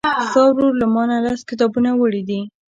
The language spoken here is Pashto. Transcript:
ستا ورور له مانه لس کتابونه وړي دي.